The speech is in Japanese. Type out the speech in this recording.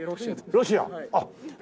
ロシア。